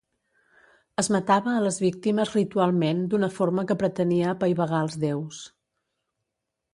Es matava a les víctimes ritualment d'una forma que pretenia apaivagar als déus.